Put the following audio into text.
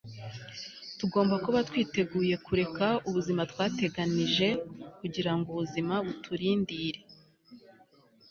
tugomba kuba twiteguye kureka ubuzima twateganije, kugira ngo ubuzima buturindire